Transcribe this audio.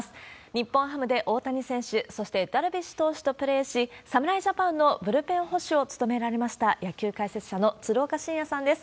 日本ハムで大谷選手、そしてダルビッシュ投手とプレーし、侍ジャパンのブルペン捕手を務められました、野球解説者の鶴岡慎也さんです。